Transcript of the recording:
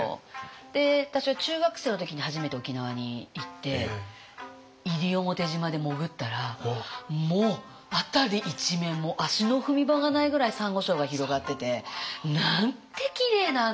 で私は中学生の時に初めて沖縄に行って西表島で潜ったらもう辺り一面足の踏み場がないぐらいサンゴ礁が広がっててなんてきれいなんだろう。